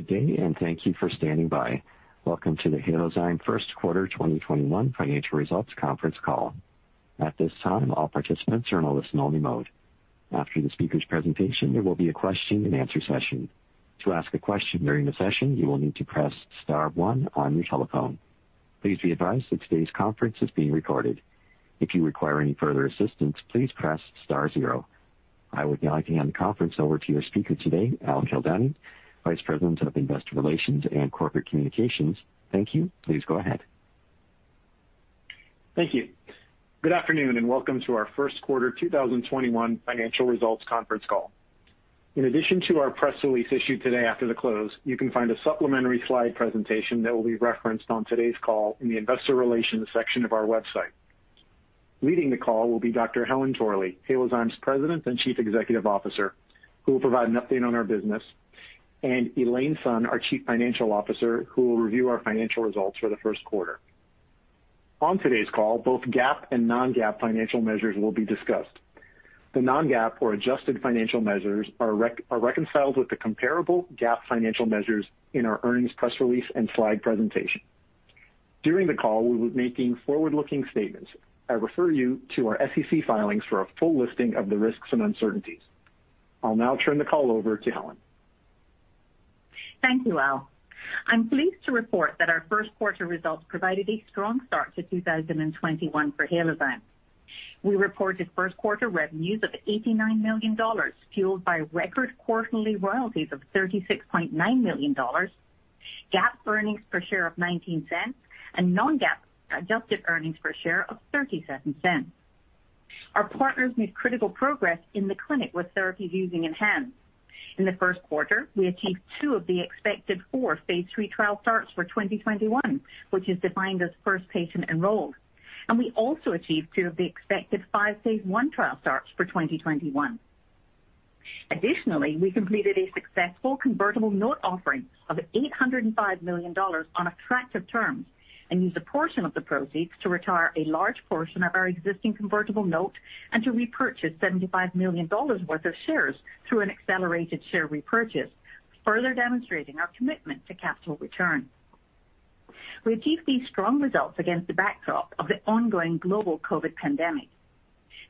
Good day, and thank you for standing by. Welcome to the Halozyme Q1 2021 Financial Results Conference Call. At this time, all participants are in a listen-only mode. After the speaker's presentation, there will be a question-and-answer session. To ask a question during the session, you will need to press star one on your telephone. Please be advised that today's conference is being recorded. If you require any further assistance, please press star zero. I would now like to hand the conference over to your speaker today, Al Kildani, Vice President of Investor Relations and Corporate Communications. Thank you. Please go ahead. Thank you. Good afternoon, and welcome to our Q1 2021 Financial Results Conference call. In addition to our press release issued today after the close, you can find a supplementary slide presentation that will be referenced on today's call in the Investor Relations section of our website. Leading the call will be Dr. Helen Torley, Halozyme's President and Chief Executive Officer, who will provide an update on our business, and Elaine Sun, our Chief Financial Officer, who will review our financial results for the Q1. On today's call, both GAAP and non-GAAP financial measures will be discussed. The non-GAAP or adjusted financial measures are reconciled with the comparable GAAP financial measures in our earnings press release and slide presentation. During the call, we will be making forward-looking statements. I refer you to our SEC filings for a full listing of the risks and uncertainties. I'll now turn the call over to Helen. Thank you, Al. I'm pleased to report that our Q1 results provided a strong start to 2021 for Halozyme. We reported Q1 revenues of $89 million, fueled by record quarterly royalties of $36.9 million, GAAP earnings per share of $0.19, and non-GAAP adjusted earnings per share of $0.37. Our partners made critical progress in the clinic with therapies using ENHANZE. In the Q1, we achieved two of the expected four Phase 3 trial starts for 2021, which is defined as first patient enrolled, and we also achieved two of the expected five Phase 1 trial starts for 2021. Additionally, we completed a successful convertible note offering of $805 million on attractive terms and used a portion of the proceeds to retire a large portion of our existing convertible note and to repurchase $75 million worth of shares through an accelerated share repurchase, further demonstrating our commitment to capital return. We achieved these strong results against the backdrop of the ongoing global COVID pandemic.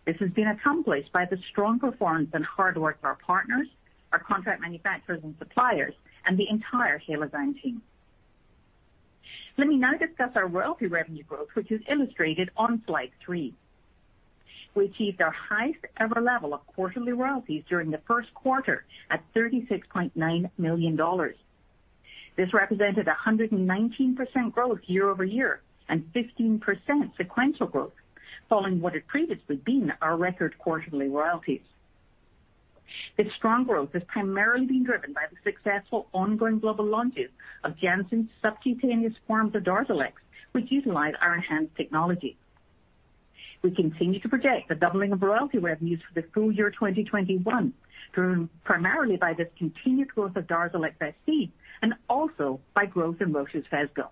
This has been accomplished by the strong performance and hard work of our partners, our contract manufacturers and suppliers, and the entire Halozyme team. Let me now discuss our royalty revenue growth, which is illustrated on Slide 3. We achieved our highest ever level of quarterly royalties during the Q1 at $36.9 million. This represented 119% growth year over year and 15% sequential growth, following what had previously been our record quarterly royalties. This strong growth has primarily been driven by the successful ongoing global launches of Janssen's subcutaneous forms of DARZALEX, which utilize our ENHANZE technology. We continue to project a doubling of royalty revenues for the full year 2021, driven primarily by this continued growth of DARZALEX SC and also by growth in Roche's Phesgo.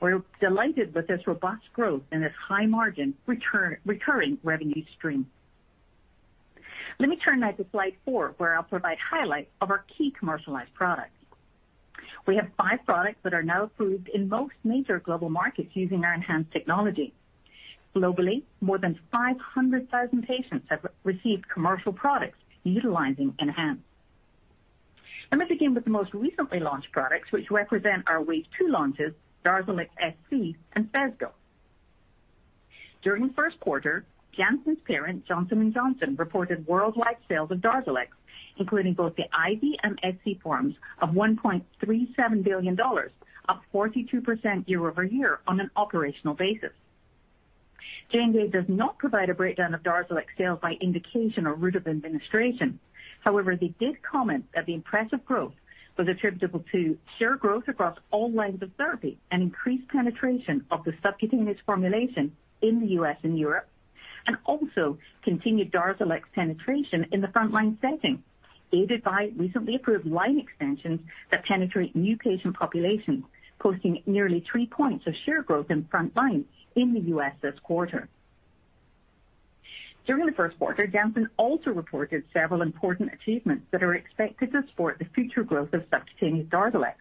We're delighted with this robust growth and this high margin recurring revenue stream. Let me turn now to Slide 4, where I'll provide highlights of our key commercialized products. We have five products that are now approved in most major global markets using our ENHANZE technology. Globally, more than 500,000 patients have received commercial products utilizing ENHANZE. Let me begin with the most recently launched products, which represent our Wave 2 launches, DARZALEX SC and Phesgo. During the Q1, Janssen's parent, Johnson & Johnson, reported worldwide sales of DARZALEX, including both the IV and SC forms of $1.37 billion, up 42% year over year on an operational basis. J&J does not provide a breakdown of DARZALEX sales by indication or route of administration. However, they did comment that the impressive growth was attributable to share growth across all lines of therapy and increased penetration of the subcutaneous formulation in the U.S. and Europe, and also continued DARZALEX penetration in the frontline setting, aided by recently approved line extensions that penetrate new patient populations, posting nearly three points of share growth in frontline in the U.S. this quarter. During the Q1, Janssen also reported several important achievements that are expected to support the future growth of subcutaneous DARZALEX.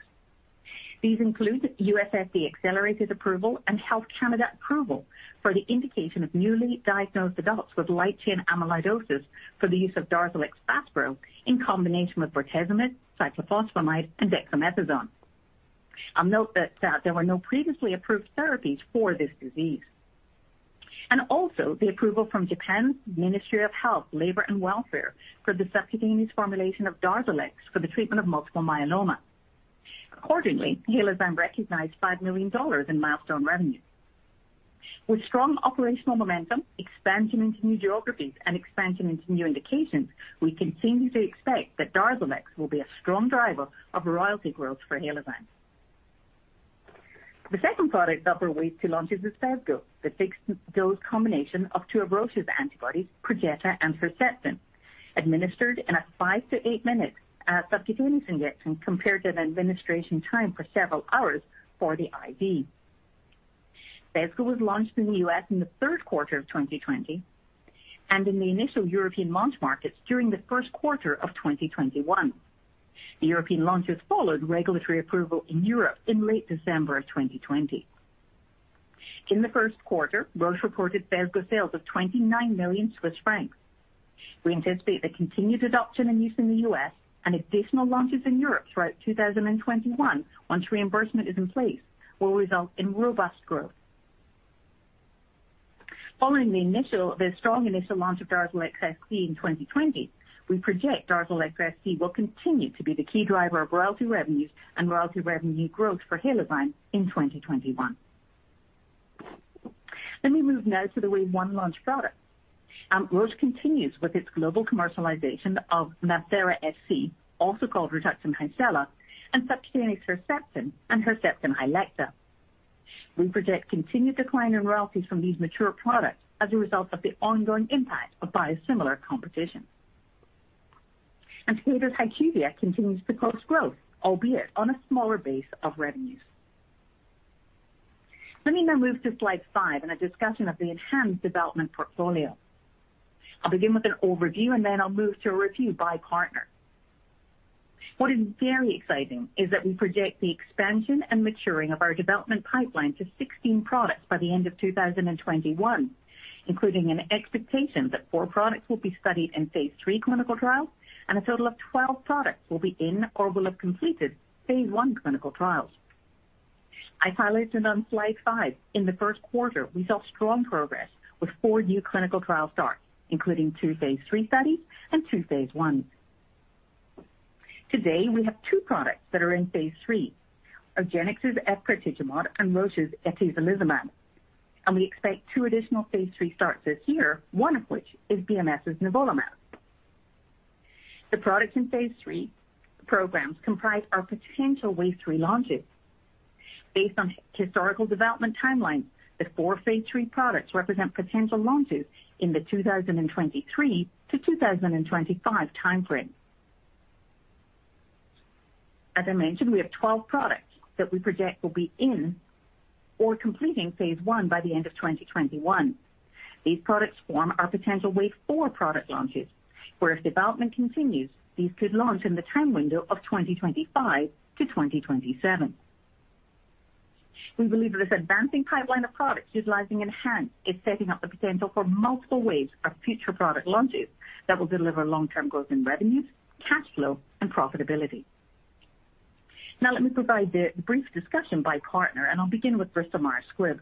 These include U.S. FDA accelerated approval and Health Canada approval for the indication of newly diagnosed adults with light chain amyloidosis for the use of DARZALEX FASPRO in combination with bortezomib, cyclophosphamide, and dexamethasone. I'll note that there were no previously approved therapies for this disease. Also, the approval from Japan's Ministry of Health, Labour and Welfare for the subcutaneous formulation of DARZALEX for the treatment of multiple myeloma. Accordingly, Halozyme recognized $5 million in milestone revenue. With strong operational momentum, expansion into new geographies, and expansion into new indications, we continue to expect that DARZALEX will be a strong driver of royalty growth for Halozyme. The second product of our Wave 2 launches is Phesgo, the fixed-dose combination of two HER2 antibodies, Perjeta and Herceptin, administered in a five to eight-minute subcutaneous injection compared to an administration time for several hours for the IV. Phesgo was launched in the US in the third quarter of 2020 and in the initial European launch markets during the Q1 of 2021. The European launches followed regulatory approval in Europe in late December of 2020. In the Q1, Roche reported Phesgo sales of 29 million Swiss francs. We anticipate the continued adoption and use in the US and additional launches in Europe throughout 2021, once reimbursement is in place, will result in robust growth. Following the initial strong launch of DARZALEX SC in 2020, we project DARZALEX SC will continue to be the key driver of royalty revenues and royalty revenue growth for Halozyme in 2021. Let me move now to the Wave 1 launch products. Roche continues with its global commercialization of MabThera SC, also called Rituxan Hycela, and subcutaneous Herceptin and Herceptin Hylecta. We project continued decline in royalties from these mature products as a result of the ongoing impact of biosimilar competition, and Takeda HYQVIA continues to post growth, albeit on a smaller base of revenues. Let me now move to Slide 5 and a discussion of the ENHANZE development portfolio. I'll begin with an overview, and then I'll move to a review by partner. What is very exciting is that we project the expansion and maturing of our development pipeline to 16 products by the end of 2021, including an expectation that four products will be studied in Phase 3 clinical trials and a total of 12 products will be in or will have completed Phase 1 clinical trials. I highlighted on Slide 5, in the Q1, we saw strong progress with four new clinical trial starts, including two Phase 3 studies and two Phase 1s. Today, we have two products that are in Phase 3, argenx's efgartigimod and Roche's atezolizumab, and we expect two additional Phase 3 starts this year, one of which is BMS's nivolumab. The products in Phase 3 programs comprise our potential Wave 3 launches. Based on historical development timelines, the four Phase 3 products represent potential launches in the 2023-2025 timeframe. As I mentioned, we have 12 products that we project will be in or completing Phase 1 by the end of 2021. These products form our potential Wave 4 product launches, where if development continues, these could launch in the time window of 2025-2027. We believe that this advancing pipeline of products utilizing ENHANZE is setting up the potential for multiple waves of future product launches that will deliver long-term growth in revenues, cash flow, and profitability. Now, let me provide the brief discussion by partner, and I'll begin with Bristol-Myers Squibb.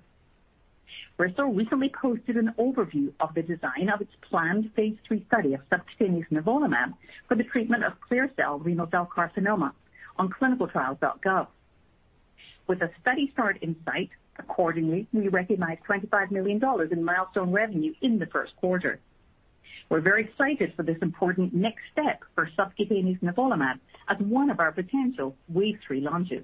Bristol recently posted an overview of the design of its planned Phase 3 study of subcutaneous nivolumab for the treatment of clear cell renal cell carcinoma on clinicaltrials.gov. With a steady start in sight, accordingly, we recognize $25 million in milestone revenue in the Q1. We're very excited for this important next step for subcutaneous nivolumab as one of our potential Wave 3 launches.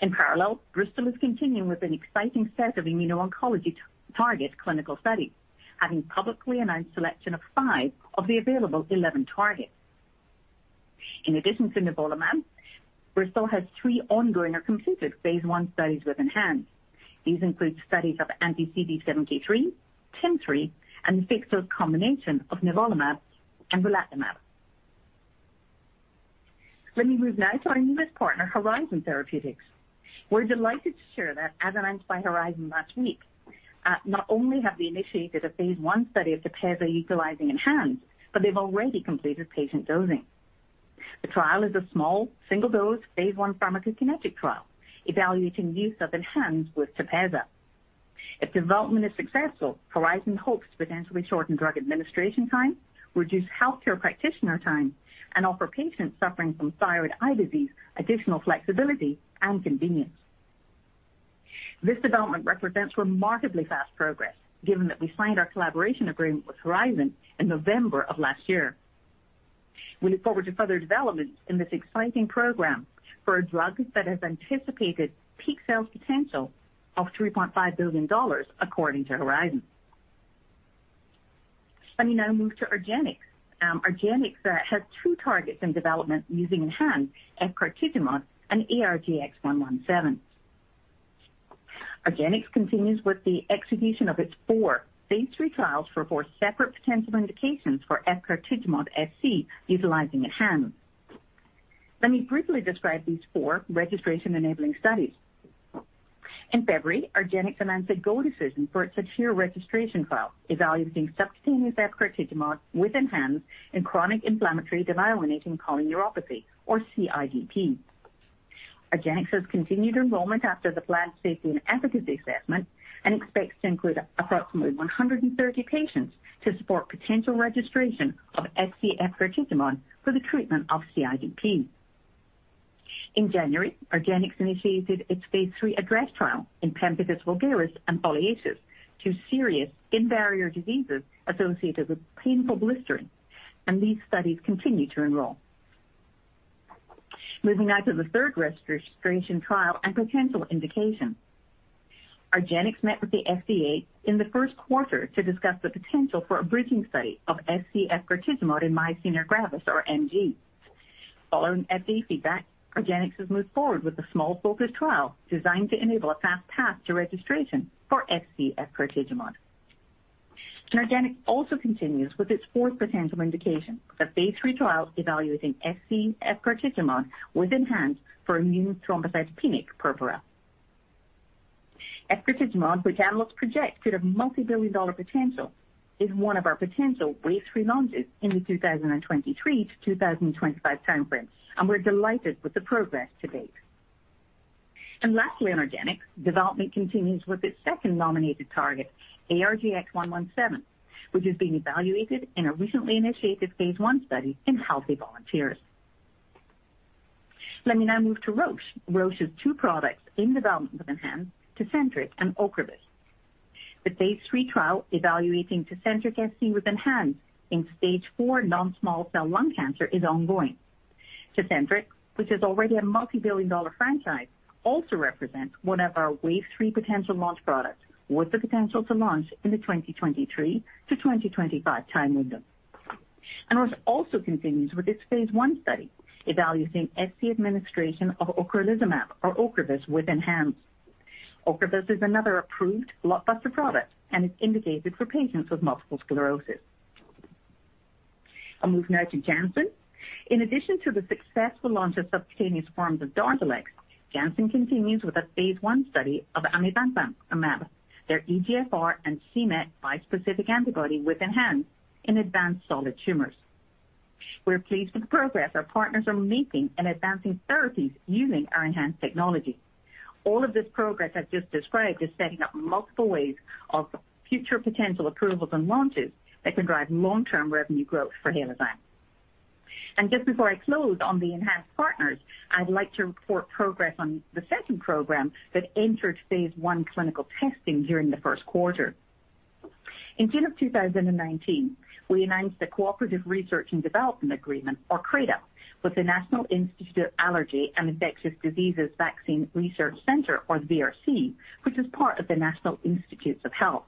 In parallel, Bristol is continuing with an exciting set of immuno-oncology target clinical studies, having publicly announced a selection of five of the available 11 targets. In addition to nivolumab, Bristol has three ongoing or completed Phase 1 studies with ENHANZE. These include studies of anti-CD73, TIM-3, and the fixed-dose combination of nivolumab and relatlimab. Let me move now to our newest partner, Horizon Therapeutics. We're delighted to share that, as announced by Horizon last week, not only have they initiated a Phase 1 study of Tepezza utilizing ENHANZE, but they've already completed patient dosing. The trial is a small, single-dose Phase 1 pharmacokinetic trial evaluating use of ENHANZE with Tepezza. If development is successful, Horizon hopes to potentially shorten drug administration time, reduce healthcare practitioner time, and offer patients suffering from thyroid eye disease additional flexibility and convenience. This development represents remarkably fast progress, given that we signed our collaboration agreement with Horizon in November of last year. We look forward to further developments in this exciting program for a drug that has anticipated peak sales potential of $3.5 billion, according to Horizon. Let me now move to argenx. Argenx has two targets in development using ENHANZE, efgartigimod and ARGX-117. Argenx continues with the execution of its four Phase 3 trials for four separate potential indications for efgartigimod SC utilizing ENHANZE. Let me briefly describe these four registration-enabling studies. In February, argenx announced a go decision for its ADHERE registration trial evaluating subcutaneous efgartigimod with ENHANZE in chronic inflammatory demyelinating polyneuropathy, or CIDP. Argenx has continued enrollment after the planned safety and efficacy assessment and expects to include approximately 130 patients to support potential registration of SC efgartigimod for the treatment of CIDP. In January, argenx initiated its Phase 3 ADDRESS trial in pemphigus vulgaris and foliaceus, two serious autoimmune diseases associated with painful blistering, and these studies continue to enroll. Moving now to the third registration trial and potential indication. Argenx met with the FDA in the Q1 to discuss the potential for a bridging study of SC efgartigimod in myasthenia gravis, or MG. Following FDA feedback, argenx has moved forward with a small focus trial designed to enable a fast path to registration for SC efgartigimod. Argenx also continues with its fourth potential indication, the Phase 3 trial evaluating SC efgartigimod with ENHANZE for immune thrombocytopenic purpura. Efgartigimod, which analysts project could have multi-billion-dollar potential, is one of our potential Wave 3 launches in the 2023 to 2025 timeframe, and we're delighted with the progress to date. Lastly, in argenx, development continues with its second nominated target, ARGX-117, which is being evaluated in a recently initiated Phase 1 study in healthy volunteers. Let me now move to Roche. Roche has two products in development with ENHANZE, Tecentriq and Ocrevus. The Phase 3 trial evaluating Tecentriq SC with ENHANZE in stage four non-small cell lung cancer is ongoing. Tecentriq, which is already a multi-billion dollar franchise, also represents one of our Wave 3 potential launch products with the potential to launch in the 2023-2025 time window. Roche also continues with its Phase 1 study evaluating SC administration of ocrelizumab, or Ocrevus, with ENHANZE. Ocrevus is another approved blockbuster product and is indicated for patients with multiple sclerosis. I'll move now to Janssen. In addition to the successful launch of subcutaneous forms of DARZALEX, Janssen continues with a Phase 1 study of amivantamab, their EGFR and c-Met bispecific antibody with ENHANZE in advanced solid tumors. We're pleased with the progress our partners are making in advancing therapies using our ENHANZE technology. All of this progress I've just described is setting up multiple ways of future potential approvals and launches that can drive long-term revenue growth for Halozyme. And just before I close on the ENHANZE partners, I'd like to report progress on the second program that entered Phase 1 clinical testing during the Q1. In June of 2019, we announced the Cooperative Research and Development Agreement, or CRADA, with the National Institute of Allergy and Infectious Diseases Vaccine Research Center, or the VRC, which is part of the National Institutes of Health.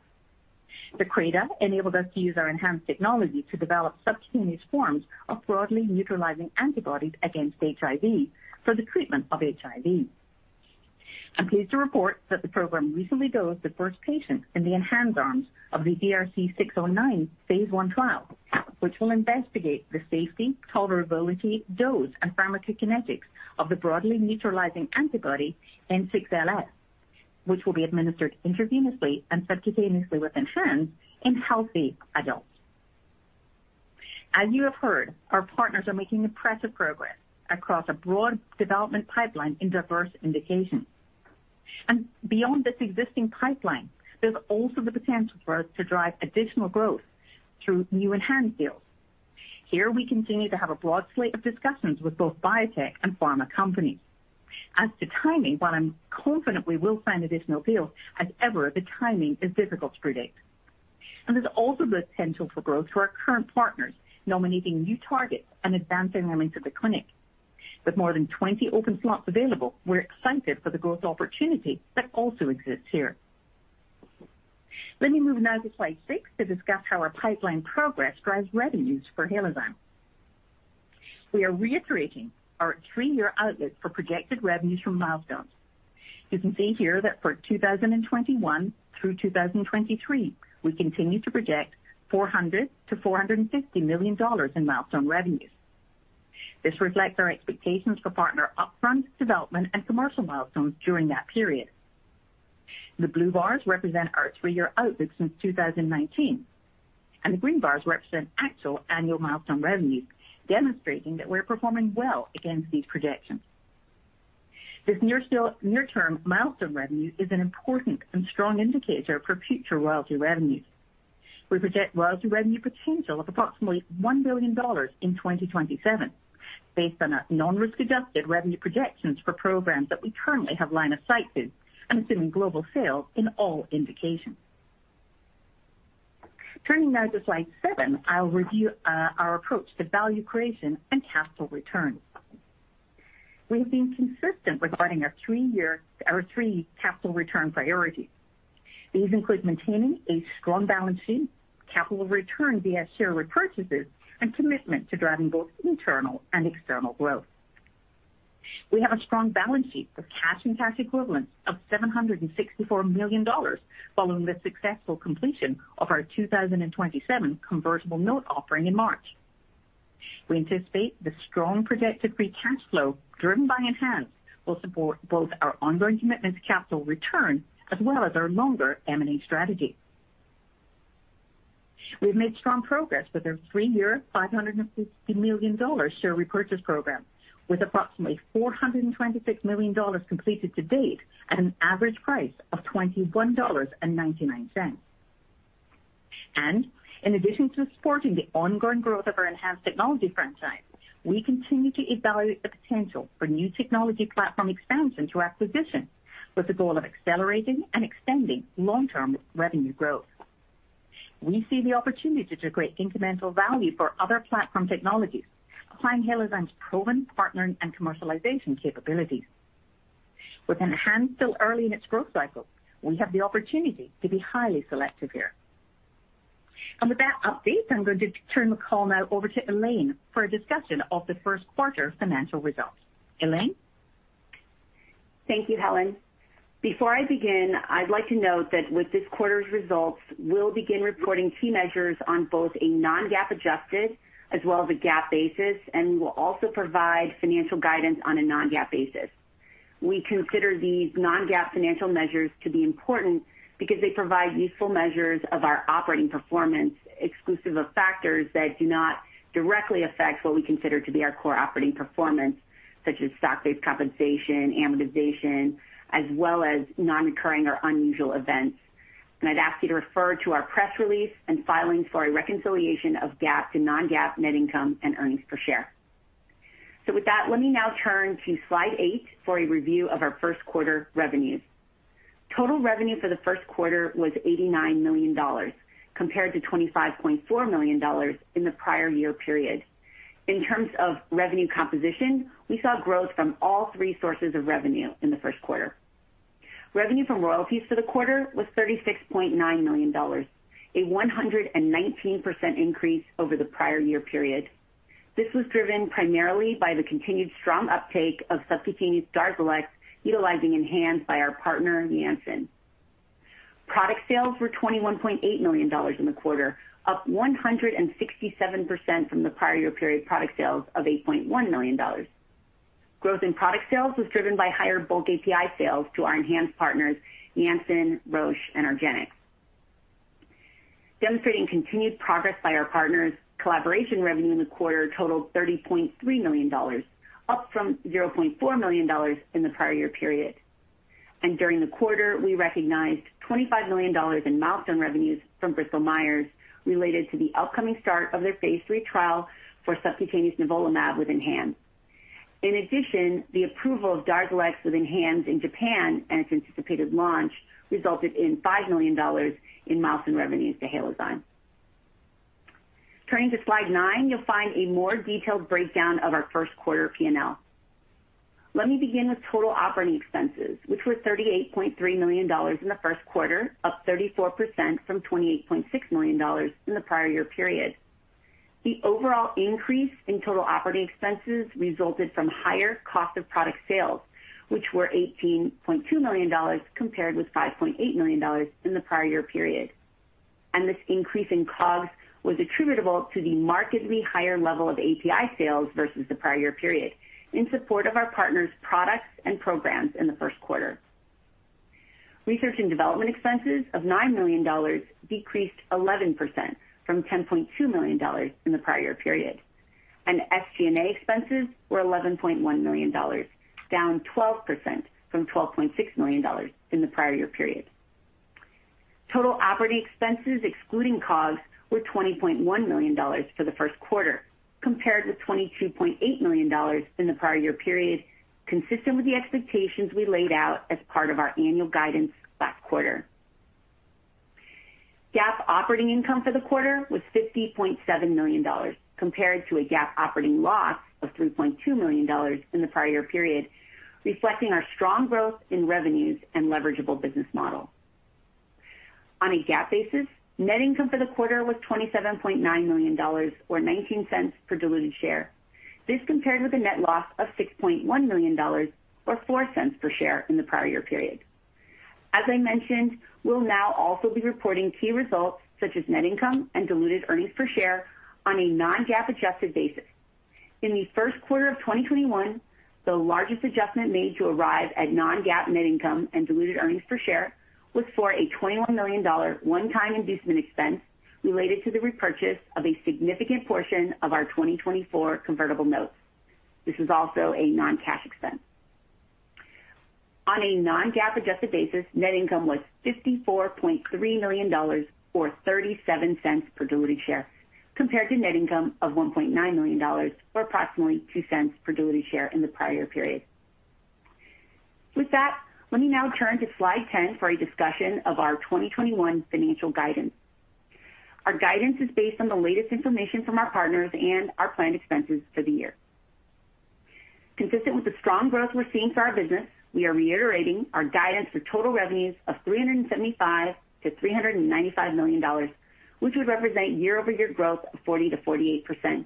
The CRADA enabled us to use our ENHANZE technology to develop subcutaneous forms of broadly neutralizing antibodies against HIV for the treatment of HIV. I'm pleased to report that the program recently dosed the first patient in the ENHANZE arms of the VRC609 Phase 1 trial, which will investigate the safety, tolerability, dose, and pharmacokinetics of the broadly neutralizing antibody N6LS, which will be administered intravenously and subcutaneously with ENHANZE in healthy adults. As you have heard, our partners are making impressive progress across a broad development pipeline in diverse indications, and beyond this existing pipeline, there's also the potential for us to drive additional growth through new enhanced deals. Here, we continue to have a broad slate of discussions with both biotech and pharma companies. As to timing, while I'm confident we will sign additional deals as ever, the timing is difficult to predict, and there's also the potential for growth for our current partners nominating new targets and advancing them into the clinic. With more than 20 open slots available, we're excited for the growth opportunity that also exists here. Let me move now to Slide 6 to discuss how our pipeline progress drives revenues for Halozyme. We are reiterating our three-year outlook for projected revenues from milestones. You can see here that for 2021 through 2023, we continue to project $400 million-$450 million in milestone revenues. This reflects our expectations for partner upfront development and commercial milestones during that period. The blue bars represent our three-year outlook since 2019, and the green bars represent actual annual milestone revenues, demonstrating that we're performing well against these projections. This near-term milestone revenue is an important and strong indicator for future royalty revenues. We project royalty revenue potential of approximately $1 billion in 2027, based on non-risk-adjusted revenue projections for programs that we currently have line of sight to, and assuming global sales in all indications. Turning now to Slide 7, I'll review our approach to value creation and capital return. We have been consistent regarding our three-year, our three capital return priorities. These include maintaining a strong balance sheet, capital return via share repurchases, and commitment to driving both internal and external growth. We have a strong balance sheet for cash and cash equivalents of $764 million, following the successful completion of our 2027 convertible note offering in March. We anticipate the strong projected free cash flow driven by ENHANZE will support both our ongoing commitment to capital return as well as our longer M&A strategy. We've made strong progress with our three-year $550 million share repurchase program, with approximately $426 million completed to date at an average price of $21.99. In addition to supporting the ongoing growth of our ENHANZE technology franchise, we continue to evaluate the potential for new technology platform expansion through acquisition, with the goal of accelerating and extending long-term revenue growth. We see the opportunity to create incremental value for other platform technologies, applying Halozyme's proven partnering and commercialization capabilities. With ENHANZE still early in its growth cycle, we have the opportunity to be highly selective here. And with that update, I'm going to turn the call now over to Elaine for a discussion of the Q1 financial results. Elaine. Thank you, Helen. Before I begin, I'd like to note that with this quarter's results, we'll begin reporting key measures on both a non-GAAP adjusted as well as a GAAP basis, and we'll also provide financial guidance on a non-GAAP basis. We consider these non-GAAP financial measures to be important because they provide useful measures of our operating performance, exclusive of factors that do not directly affect what we consider to be our core operating performance, such as stock-based compensation, amortization, as well as non-recurring or unusual events. I'd ask you to refer to our press release and filing for a reconciliation of GAAP to non-GAAP net income and earnings per share. With that, let me now turn to Slide 8 for a review of our Q1 revenues. Total revenue for the Q1 was $89 million, compared to $25.4 million in the prior year period. In terms of revenue composition, we saw growth from all three sources of revenue in the Q1. Revenue from royalties for the quarter was $36.9 million, a 119% increase over the prior year period. This was driven primarily by the continued strong uptake of subcutaneous DARZALEX utilizing ENHANZE by our partner, Janssen. Product sales were $21.8 million in the quarter, up 167% from the prior year period product sales of $8.1 million. Growth in product sales was driven by higher bulk API sales to our ENHANZE partners, Janssen, Roche, and argenx, demonstrating continued progress by our partners. Collaboration revenue in the quarter totaled $30.3 million, up from $0.4 million in the prior year period. And during the quarter, we recognized $25 million in milestone revenues from Bristol Myers Squibb related to the upcoming start of their Phase 3 trial for subcutaneous nivolumab with ENHANZE. In addition, the approval of DARZALEX with ENHANZE in Japan and its anticipated launch resulted in $5 million in milestone revenues to Halozyme. Turning to Slide 9, you'll find a more detailed breakdown of our Q1 P&L. Let me begin with total operating expenses, which were $38.3 million in the Q1, up 34% from $28.6 million in the prior year period. The overall increase in total operating expenses resulted from higher cost of product sales, which were $18.2 million compared with $5.8 million in the prior year period. And this increase in COGS was attributable to the markedly higher level of API sales versus the prior year period in support of our partners' products and programs in the Q1. Research and development expenses of $9 million decreased 11% from $10.2 million in the prior year period. And SG&A expenses were $11.1 million, down 12% from $12.6 million in the prior year period. Total operating expenses excluding COGS were $20.1 million for the Q1, compared with $22.8 million in the prior year period, consistent with the expectations we laid out as part of our annual guidance last quarter. GAAP operating income for the quarter was $50.7 million, compared to a GAAP operating loss of $3.2 million in the prior year period, reflecting our strong growth in revenues and leverageable business model. On a GAAP basis, net income for the quarter was $27.9 million, or $0.19 per diluted share. This compared with a net loss of $6.1 million, or $0.04 per share in the prior year period. As I mentioned, we'll now also be reporting key results such as net income and diluted earnings per share on a non-GAAP adjusted basis. In the Q1 of 2021, the largest adjustment made to arrive at non-GAAP net income and diluted earnings per share was for a $21 million one-time inducement expense related to the repurchase of a significant portion of our 2024 convertible notes. This is also a non-cash expense. On a non-GAAP adjusted basis, net income was $54.3 million, or $0.37 per diluted share, compared to net income of $1.9 million, or approximately $0.02 per diluted share in the prior year period. With that, let me now turn to Slide 10 for a discussion of our 2021 financial guidance. Our guidance is based on the latest information from our partners and our planned expenses for the year. Consistent with the strong growth we're seeing for our business, we are reiterating our guidance for total revenues of $375 million-$395 million, which would represent year-over-year growth of 40%-48%.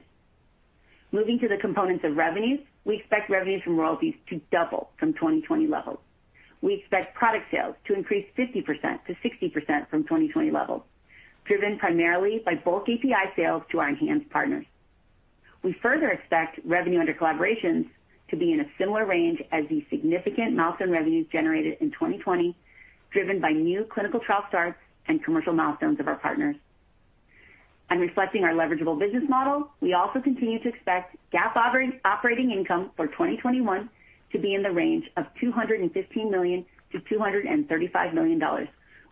Moving to the components of revenues, we expect revenues from royalties to double from 2020 levels. We expect product sales to increase 50%-60% from 2020 levels, driven primarily by bulk API sales to our ENHANZE partners. We further expect revenue under collaborations to be in a similar range as the significant milestone revenues generated in 2020, driven by new clinical trial starts and commercial milestones of our partners. Reflecting our leverageable business model, we also continue to expect GAAP operating income for 2021 to be in the range of $215 million-$235 million,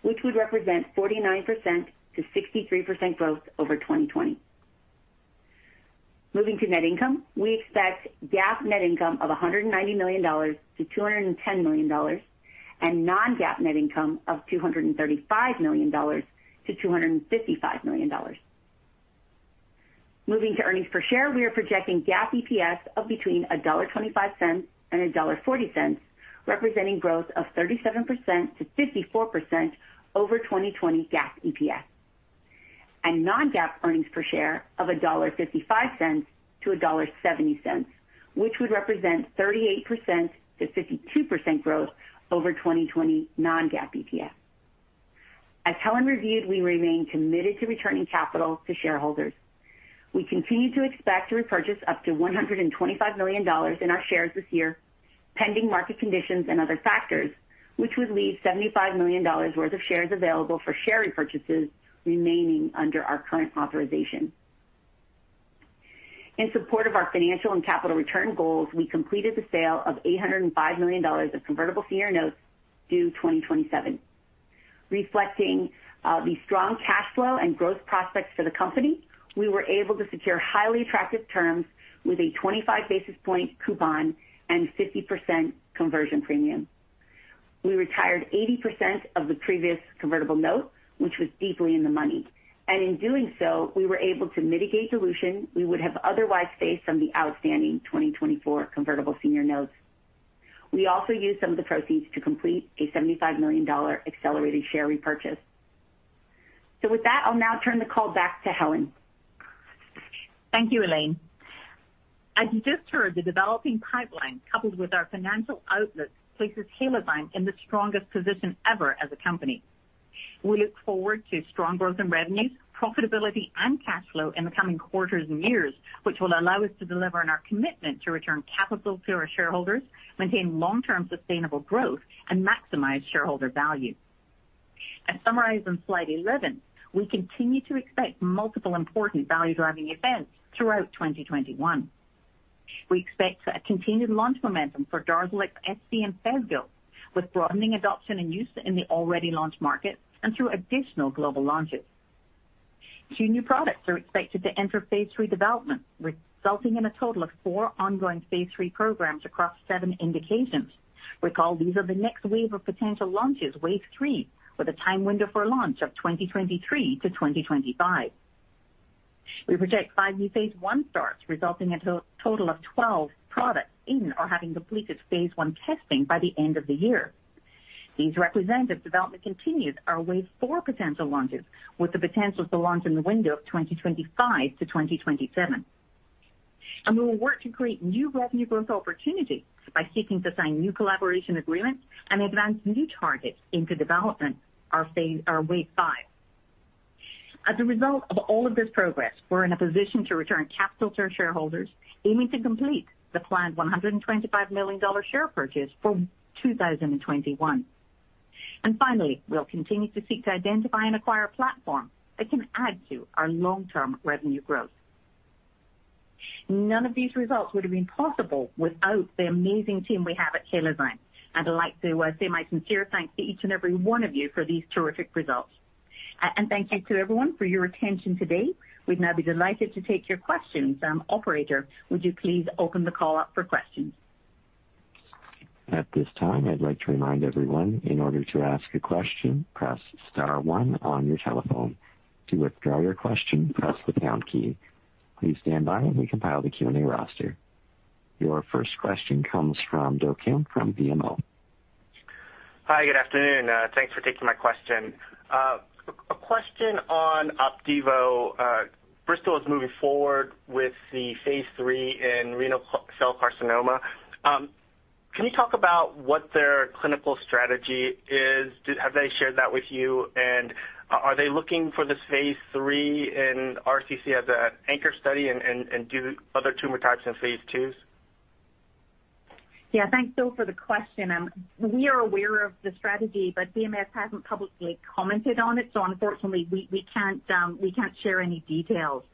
which would represent 49%-63% growth over 2020. Moving to net income, we expect GAAP net income of $190 million-$210 million, and non-GAAP net income of $235 million-$255 million. Moving to earnings per share, we are projecting GAAP EPS of between $1.25 and $1.40, representing growth of 37%-54% over 2020 GAAP EPS. Non-GAAP earnings per share of $1.55-$1.70, which would represent 38%-52% growth over 2020 non-GAAP EPS. As Helen reviewed, we remain committed to returning capital to shareholders. We continue to expect to repurchase up to $125 million in our shares this year, pending market conditions and other factors, which would leave $75 million worth of shares available for share repurchases remaining under our current authorization. In support of our financial and capital return goals, we completed the sale of $805 million of convertible senior notes due 2027. Reflecting the strong cash flow and growth prospects for the company, we were able to secure highly attractive terms with a 25 basis points coupon and 50% conversion premium. We retired 80% of the previous convertible note, which was deeply in the money. And in doing so, we were able to mitigate dilution we would have otherwise faced from the outstanding 2024 convertible senior notes. We also used some of the proceeds to complete a $75 million accelerated share repurchase. So with that, I'll now turn the call back to Helen. Thank you, Elaine. As you just heard, the developing pipeline coupled with our financial outlook places Halozyme in the strongest position ever as a company. We look forward to strong growth in revenues, profitability, and cash flow in the coming quarters and years, which will allow us to deliver on our commitment to return capital to our shareholders, maintain long-term sustainable growth, and maximize shareholder value. As summarized in Slide 11, we continue to expect multiple important value-driving events throughout 2021. We expect a continued launch momentum for DARZALEX SC and Phesgo, with broadening adoption and use in the already launched market and through additional global launches. Two new products are expected to enter Phase 3 development, resulting in a total of four ongoing Phase 3 programs across seven indications. Recall, these are the next wave of potential launches, Wave 3, with a time window for launch of 2023-2025. We project five new Phase 1 starts, resulting in a total of 12 products in or having completed Phase 1 testing by the end of the year. These representative development continues our Wave 4 potential launches, with the potential to launch in the window of 2025-2027, and we will work to create new revenue growth opportunities by seeking to sign new collaboration agreements and advance new targets into development our Wave 5. As a result of all of this progress, we're in a position to return capital to our shareholders, aiming to complete the planned $125 million share purchase for 2021, and finally, we'll continue to seek to identify and acquire a platform that can add to our long-term revenue growth. None of these results would have been possible without the amazing team we have at Halozyme. And I'd like to say my sincere thanks to each and every one of you for these terrific results. And thank you to everyone for your attention today. We'd now be delighted to take your questions. Operator, would you please open the call up for questions? At this time, I'd like to remind everyone, in order to ask a question, press star one on your telephone. To withdraw your question, press the pound key. Please stand by while we compile the Q&A roster. Your first question comes from Do Kim from BMO. Hi, good afternoon. Thanks for taking my question. A question on Opdivo. Bristol is moving forward with the Phase 3 in renal cell carcinoma. Can you talk about what their clinical strategy is? Have they shared that with you? Are they looking for this Phase 3 in RCC as an anchor study and do other tumor types in phase 2s? Yeah, thanks Bill for the question. We are aware of the strategy, but BMS hasn't publicly commented on it. So unfortunately, we can't share any details.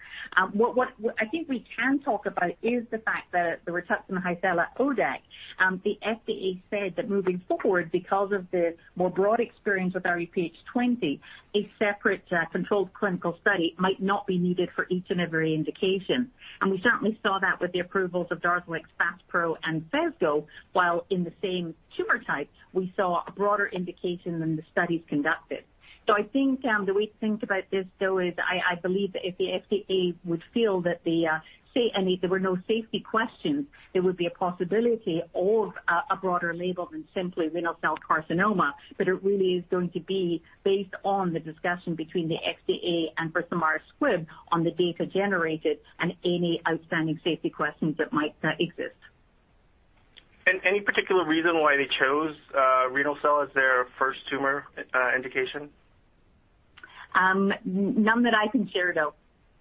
What I think we can talk about is the fact that the Rituximab Hycela SC, the FDA said that moving forward, because of the more broad experience with our rHuPH20, a separate controlled clinical study might not be needed for each and every indication. We certainly saw that with the approvals of DARZALEX FASPRO and Phesgo, while in the same tumor type, we saw a broader indication than the studies conducted. So I think the way to think about this, Do, is I believe that if the FDA would feel that there were no safety questions, there would be a possibility of a broader label than simply renal cell carcinoma. But it really is going to be based on the discussion between the FDA and Bristol Myers Squibb on the data generated and any outstanding safety questions that might exist. And any particular reason why they chose renal cell as their first tumor indication? None that I can share, no.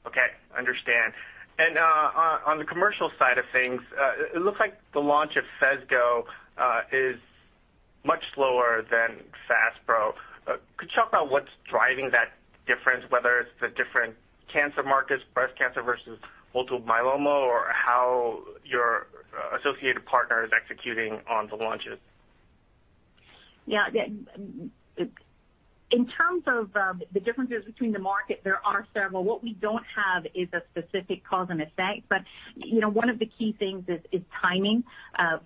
Okay, understand. And on the commercial side of things, it looks like the launch of Phesgo is much slower than FASPRO. Could you talk about what's driving that difference, whether it's the different cancer markets, breast cancer versus multiple myeloma, or how your associated partner is executing on the launches? Yeah, in terms of the differences between the market, there are several. What we don't have is a specific cause and effect. But one of the key things is timing.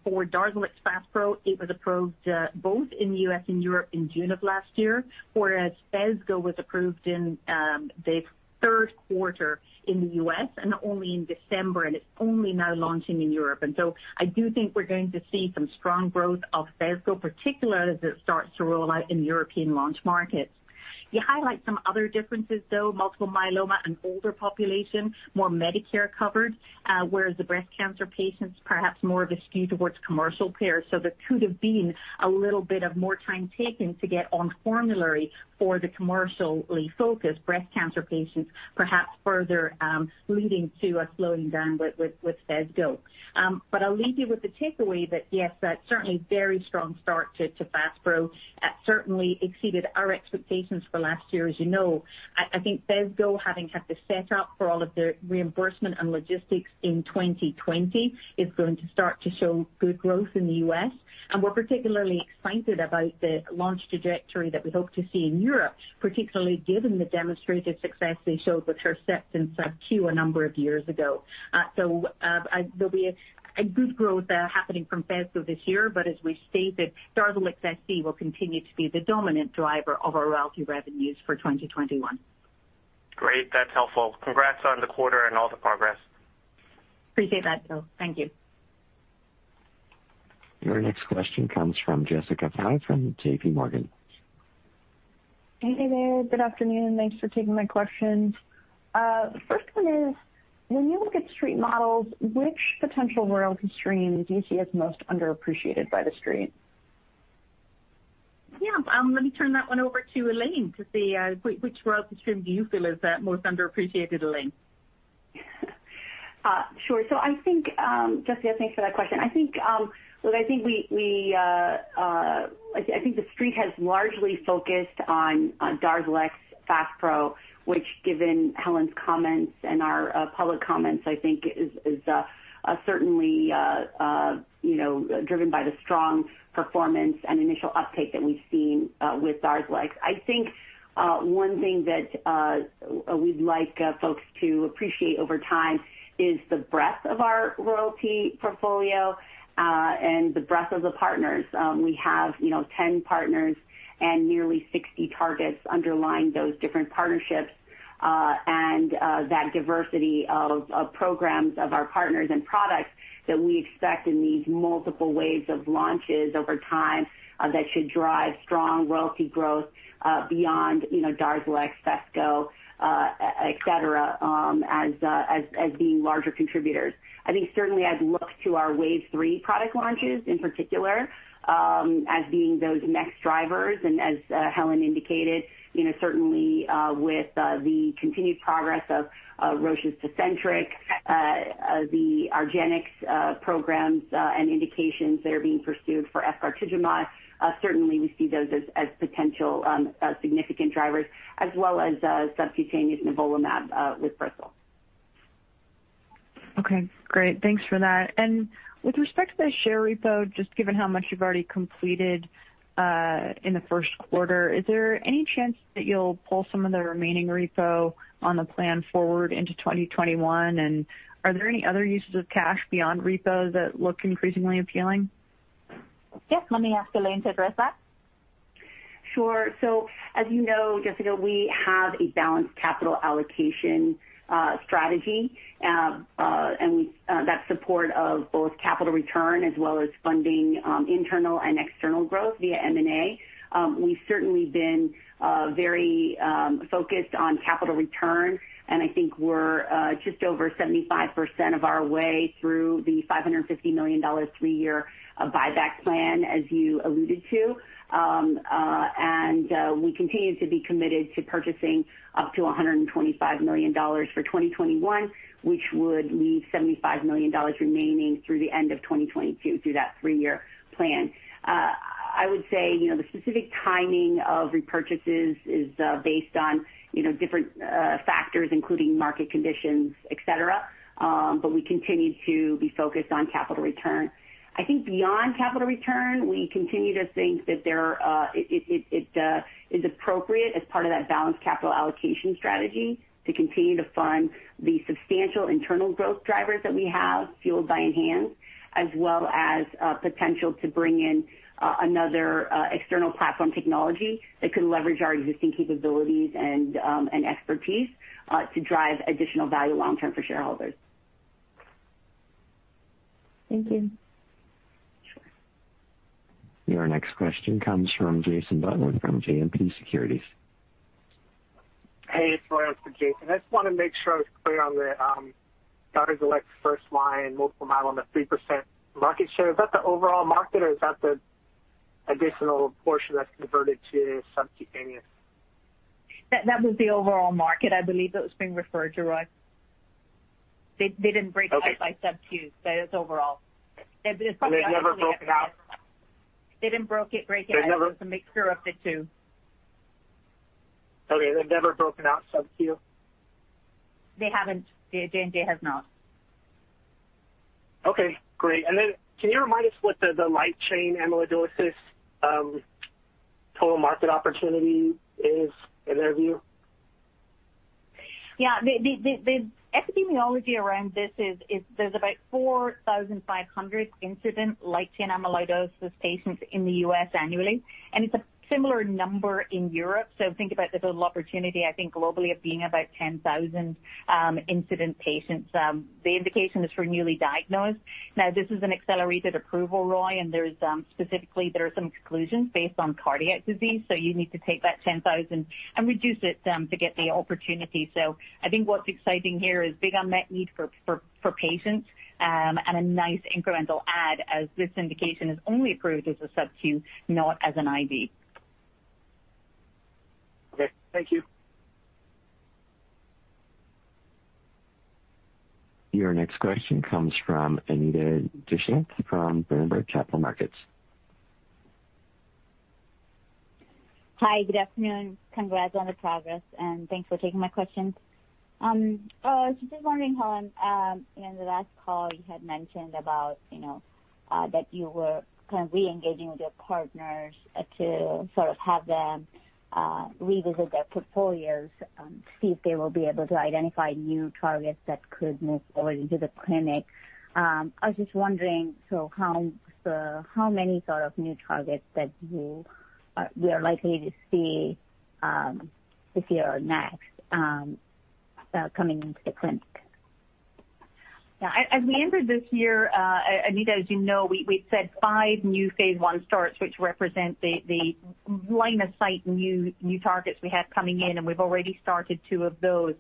For DARZALEX FASPRO, it was approved both in the U.S. and Europe in June of last year, whereas Phesgo was approved in the third quarter in the U.S. and only in December, and it's only now launching in Europe. And so I do think we're going to see some strong growth of Phesgo, particularly as it starts to roll out in European launch markets. You highlight some other differences, though. Multiple myeloma and older population, more Medicare covered, whereas the breast cancer patients perhaps more of a skew towards commercial care. So there could have been a little bit of more time taken to get on formulary for the commercially focused breast cancer patients, perhaps further leading to a slowing down with Phesgo. But I'll leave you with the takeaway that, yes, that's certainly a very strong start to FASPRO. It certainly exceeded our expectations for last year, as you know. I think Phesgo, having had to set up for all of the reimbursement and logistics in 2020, is going to start to show good growth in the U.S. And we're particularly excited about the launch trajectory that we hope to see in Europe, particularly given the demonstrated success they showed with Herceptin sub Q a number of years ago. So there'll be a good growth happening from Phesgo this year. But as we've stated, DARZALEX SC will continue to be the dominant driver of our royalty revenues for 2021. Great, that's helpful. Congrats on the quarter and all the progress. Appreciate that, Do. Thank you. Our next question comes from Jessica Fye from JPMorgan. Hey there, good afternoon. Thanks for taking my questions. The first one is, when you look at street models, which potential royalty stream do you see as most underappreciated by the street? Yeah, let me turn that one over to Elaine to see which royalty stream do you feel is most underappreciated, Elaine? Sure. So I think, Jessica, thanks for that question. I think, well, I think the street has largely focused on DARZALEX FASPRO, which, given Helen's comments and our public comments, I think is certainly driven by the strong performance and initial uptake that we've seen with DARZALEX. I think one thing that we'd like folks to appreciate over time is the breadth of our royalty portfolio and the breadth of the partners. We have 10 partners and nearly 60 targets underlying those different partnerships and that diversity of programs of our partners and products that we expect in these multiple waves of launches over time that should drive strong royalty growth beyond DARZALEX, Phesgo, et cetera, as being larger contributors. I think certainly I'd look to our Wave 3 product launches in particular as being those next drivers. And as Helen indicated, certainly with the continued progress of Roche's Tecentriq, the argenx programs and indications that are being pursued for efgartigimod, certainly we see those as potential significant drivers, as well as subcutaneous nivolumab with Bristol. Okay, great. Thanks for that. With respect to the share repo, just given how much you've already completed in the Q1, is there any chance that you'll pull some of the remaining repo on the plan forward into 2021? And are there any other uses of cash beyond repo that look increasingly appealing? Yes, let me ask Elaine to address that. Sure. So as you know, Jessica, we have a balanced capital allocation strategy, and that's support of both capital return as well as funding internal and external growth via M&A. We've certainly been very focused on capital return, and I think we're just over 75% of our way through the $550 million three-year buyback plan, as you alluded to. And we continue to be committed to purchasing up to $125 million for 2021, which would leave $75 million remaining through the end of 2022 through that three-year plan. I would say the specific timing of repurchases is based on different factors, including market conditions, et cetera, but we continue to be focused on capital return. I think beyond capital return, we continue to think that it is appropriate as part of that balanced capital allocation strategy to continue to fund the substantial internal growth drivers that we have fueled by ENHANZE, as well as potential to bring in another external platform technology that could leverage our existing capabilities and expertise to drive additional value long-term for shareholders. Thank you. Your next question comes from Jason Butler from JMP Securities. Hey, it's Laurence with Jason. I just want to make sure I was clear on the DARZALEX first line multiple myeloma 3% market share. Is that the overall market, or is that the additional portion that's converted to subcutaneous? That was the overall market, I believe that was being referred to, right? They didn't break out by sub Q. That is overall. They've never broken out? They didn't break out. They're a mixture of the two. Okay, they've never broken out sub Q? They haven't. J&J has not. Okay, great. And then can you remind us what the light chain amyloidosis total market opportunity is in their view? Yeah, the epidemiology around this is there's about 4,500 incident light chain amyloidosis patients in the U.S. annually. And it's a similar number in Europe. So think about the total opportunity, I think, globally of being about 10,000 incident patients. The indication is for newly diagnosed. Now, this is an accelerated approval, Roy, and specifically, there are some exclusions based on cardiac disease. So you need to take that 10,000 and reduce it to get the opportunity. So I think what's exciting here is big unmet need for patients and a nice incremental add as this indication is only approved as a sub Q, not as an IV. Okay, thank you. Your next question comes from Anita Dushyanth from Berenberg Capital Markets. Hi, good afternoon. Congrats on the progress, and thanks for taking my question. I was just wondering, Helen, in the last call, you had mentioned that you were kind of re-engaging with your partners to sort of have them revisit their portfolios, see if they will be able to identify new targets that could move forward into the clinic. I was just wondering, so how many sort of new targets that we are likely to see this year or next coming into the clinic? Yeah, as we entered this year, Anita, as you know, we've said five new Phase 1 starts, which represent the line of sight new targets we have coming in, and we've already started two of those.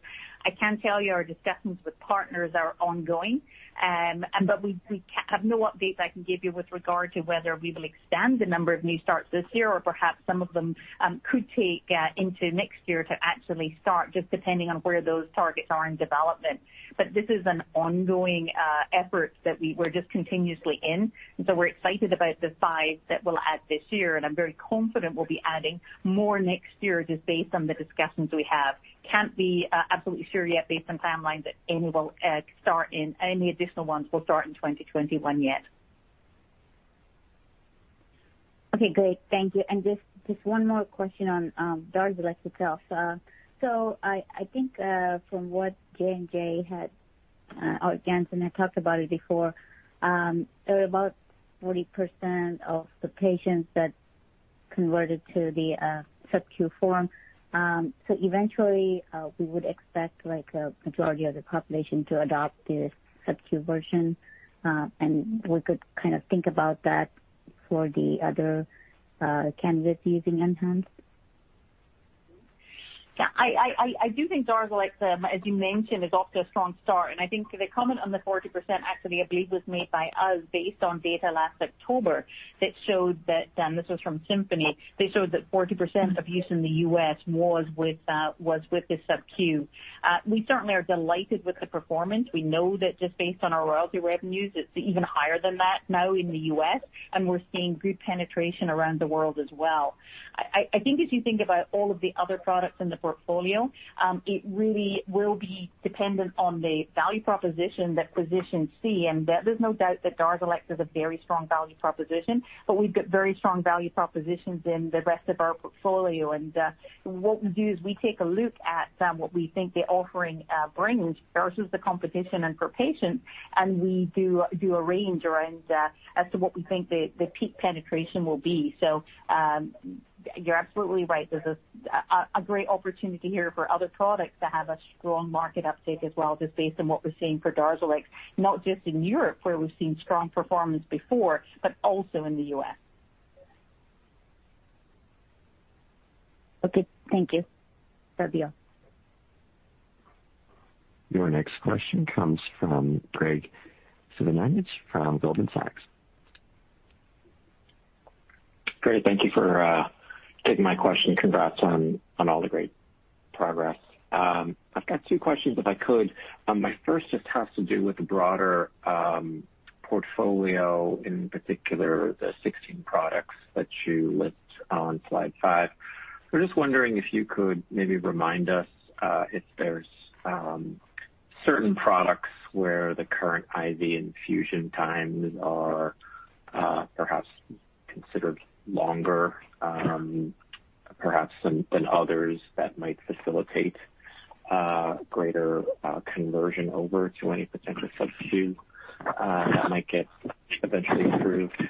I can tell you our discussions with partners are ongoing, but we have no updates I can give you with regard to whether we will extend the number of new starts this year or perhaps some of them could take into next year to actually start, just depending on where those targets are in development, but this is an ongoing effort that we're just continuously in, and so we're excited about the five that we'll add this year, and I'm very confident we'll be adding more next year just based on the discussions we have. Can't be absolutely sure yet based on timelines that any will start in. Any additional ones will start in 2021 yet. Okay, great. Thank you. And just one more question on DARZALEX itself. So I think from what J&J had, or Janssen had talked about it before, there are about 40% of the patients that converted to the sub Q form. So eventually, we would expect a majority of the population to adopt the sub Q version, and we could kind of think about that for the other candidates using ENHANZE. Yeah, I do think DARZALEX, as you mentioned, is off to a strong start. And I think the comment on the 40% actually, I believe, was made by us based on data last October that showed that, and this was from Symphony, they showed that 40% of use in the US was with the sub Q. We certainly are delighted with the performance. We know that just based on our royalty revenues, it's even higher than that now in the U.S., and we're seeing good penetration around the world as well. I think as you think about all of the other products in the portfolio, it really will be dependent on the value proposition that physicians see, and there's no doubt that DARZALEX is a very strong value proposition, but we've got very strong value propositions in the rest of our portfolio, and what we do is we take a look at what we think the offering brings versus the competition and per patient, and we do a range around as to what we think the peak penetration will be, so you're absolutely right. There's a great opportunity here for other products to have a strong market uptake as well, just based on what we're seeing for DARZALEX, not just in Europe where we've seen strong performance before, but also in the U.S. Okay, thank you. Thank you. Your next question comes from Graig Suvannavejh from Goldman Sachs. Great, thank you for taking my question. Congrats on all the great progress. I've got two questions if I could. My first just has to do with the broader portfolio, in particular the 16 products that you list on Slide five. We're just wondering if you could maybe remind us if there's certain products where the current IV infusion times are perhaps considered longer, perhaps than others, that might facilitate greater conversion over to any potential sub Q that might get eventually approved.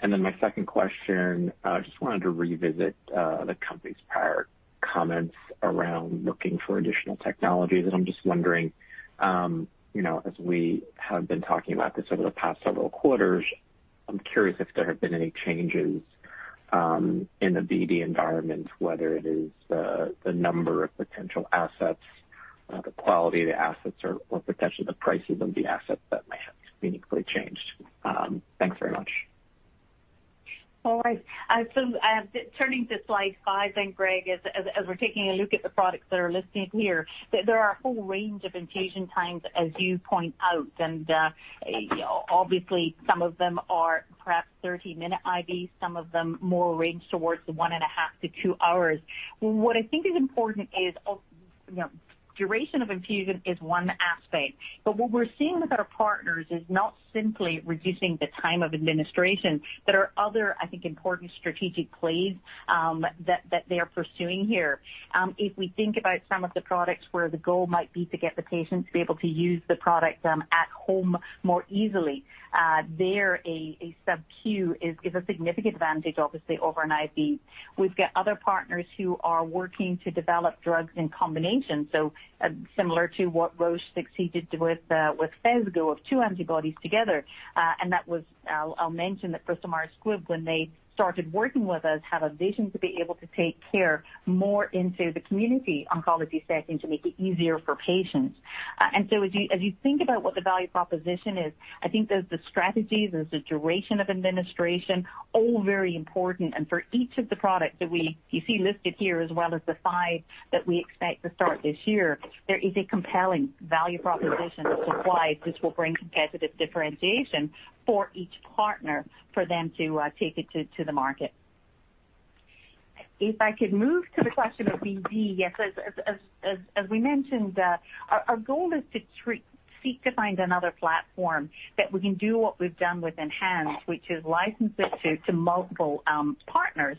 Then my second question, I just wanted to revisit the company's prior comments around looking for additional technologies. And I'm just wondering, as we have been talking about this over the past several quarters, I'm curious if there have been any changes in the BD environment, whether it is the number of potential assets, the quality of the assets, or potentially the prices of the assets that might have meaningfully changed. Thanks very much. All right. Turning to Slide five and Graig, as we're taking a look at the products that are listed here, there are a whole range of infusion times, as you point out. And obviously, some of them are perhaps 30-minute IVs, some of them more ranged towards one and a half to two hours. What I think is important is the duration of infusion is one aspect. But what we're seeing with our partners is not simply reducing the time of administration. There are other, I think, important strategic plays that they are pursuing here. If we think about some of the products where the goal might be to get the patients to be able to use the product at home more easily, there a sub Q is a significant advantage, obviously, over an IV. We've got other partners who are working to develop drugs in combination, so similar to what Roche succeeded with Phesgo of two antibodies together. And that was, I'll mention that Bristol Myers Squibb, when they started working with us, had a vision to be able to take care more into the community oncology setting to make it easier for patients. And so as you think about what the value proposition is, I think there's the strategies, there's the duration of administration, all very important. And for each of the products that we see listed here, as well as the five that we expect to start this year, there is a compelling value proposition as to why this will bring competitive differentiation for each partner for them to take it to the market. If I could move to the question of BD, yes, as we mentioned, our goal is to seek to find another platform that we can do what we've done with ENHANZE, which is license it to multiple partners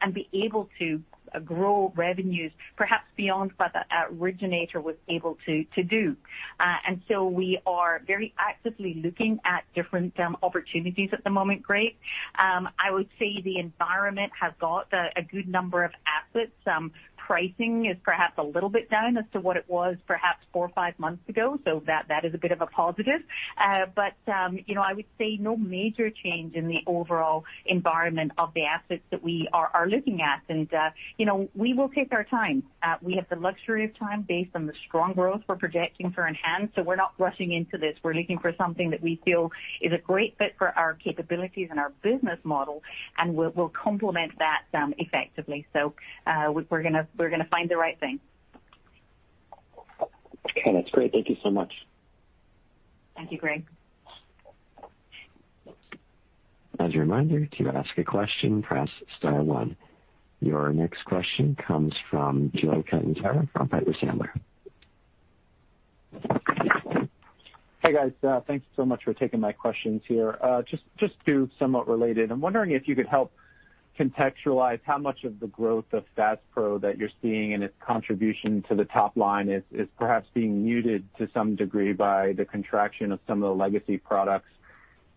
and be able to grow revenues perhaps beyond what our originator was able to do. And so we are very actively looking at different opportunities at the moment, Graig. I would say the environment has got a good number of assets. Pricing is perhaps a little bit down as to what it was perhaps four or five months ago, so that is a bit of a positive. But I would say no major change in the overall environment of the assets that we are looking at, and we will take our time. We have the luxury of time based on the strong growth we're projecting for ENHANZE. So we're not rushing into this. We're looking for something that we feel is a great fit for our capabilities and our business model, and we'll complement that effectively. So we're going to find the right thing. Okay, that's great. Thank you so much. Thank you, Graig. As a reminder, to ask a question, press star one. Your next question comes from Joseph Catanzaro from Piper Sandler. Hey, guys. Thanks so much for taking my questions here. Just to somewhat related, I'm wondering if you could help contextualize how much of the growth of FASPRO that you're seeing and its contribution to the top line is perhaps being muted to some degree by the contraction of some of the legacy products.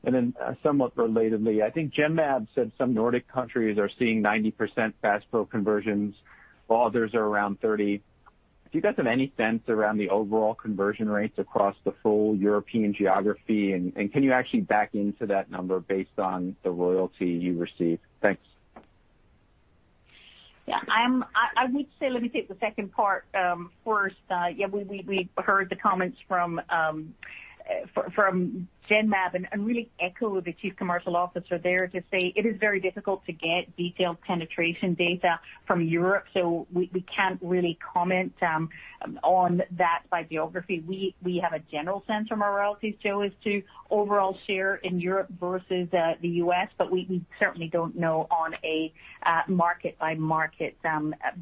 And then somewhat relatedly, I think Genmab said some Nordic countries are seeing 90% FASPRO conversions. Others are around 30. Do you guys have any sense around the overall conversion rates across the full European geography? And can you actually back into that number based on the royalty you receive? Thanks. Yeah, I would say let me take the second part first. Yeah, we heard the comments from Genmab and really echo the chief commercial officer there to say it is very difficult to get detailed penetration data from Europe. So we can't really comment on that by geography. We have a general sense from our royalties, so as to overall share in Europe versus the U.S., but we certainly don't know on a market-by-market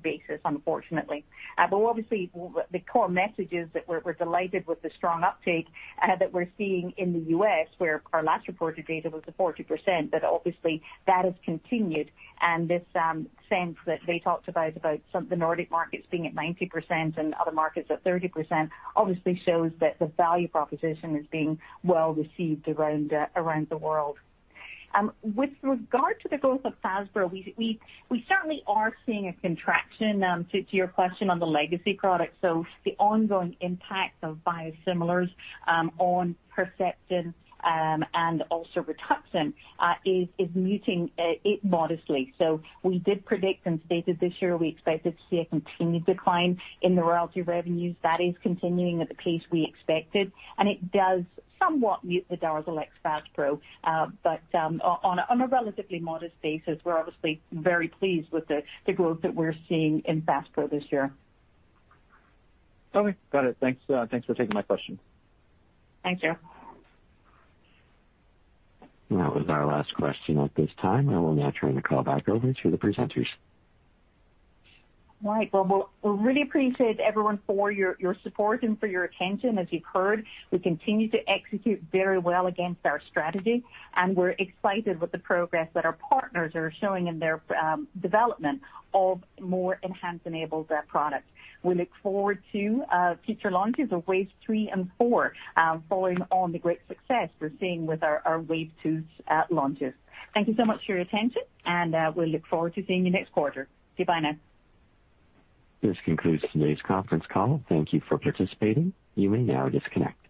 basis, unfortunately. But obviously, the core message is that we're delighted with the strong uptake that we're seeing in the U.S., where our last reported data was 40%, but obviously that has continued. And this sense that they talked about, about the Nordic markets being at 90% and other markets at 30%, obviously shows that the value proposition is being well received around the world. With regard to the growth of FASPRO, we certainly are seeing, in connection to your question, on the legacy products. So the ongoing impact of biosimilars on Herceptin and also Rituxan is muting it modestly. So we did predict and stated this year we expected to see a continued decline in the royalty revenues. That is continuing at the pace we expected. And it does somewhat mute the DARZALEX FASPRO, but on a relatively modest basis. We're obviously very pleased with the growth that we're seeing in FASPRO this year. Okay, got it. Thanks for taking my question. Thanks, Joe. That was our last question at this time. I will now turn the call back over to the presenters. All right, well, we really appreciate everyone for your support and for your attention. As you've heard, we continue to execute very well against our strategy, and we're excited with the progress that our partners are showing in their development of more ENHANZE-enabled products. We look forward to future launches of Wave 3 and 4 following on the great success we're seeing with our Wave 2 launches. Thank you so much for your attention, and we look forward to seeing you next quarter. Goodbye now. This concludes today's conference call. Thank you for participating. You may now disconnect.